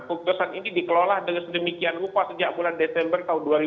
keputusan ini dikelola dengan sedemikian rupa sejak bulan desember tahun dua ribu dua puluh